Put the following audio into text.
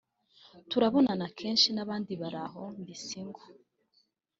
turabonana kenshi n’abandi baraho […] Ndi single (ndi ingaragu)